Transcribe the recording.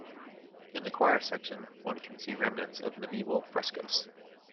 In the choir section, one can see remnants of medieval frescoes.